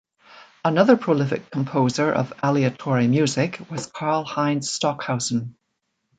Another prolific composer of aleatory music was Karlheinz Stockhausen.